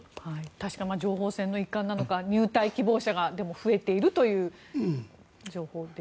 情報戦の一環なのか入隊希望者が増えているという情報です。